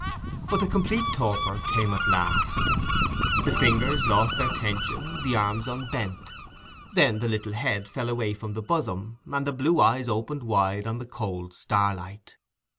But the complete torpor came at last: the fingers lost their tension, the arms unbent; then the little head fell away from the bosom, and the blue eyes opened wide on the cold starlight.